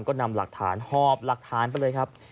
ก็นำหอบหลักฐานไปเลยครับ